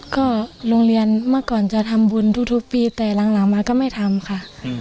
ก็โรงเรียนเมื่อก่อนจะทำบุญทุกปีแต่หลังมาก็ไม่ทำค่ะ